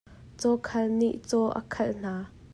Cawkhal nih caw a khalh hna.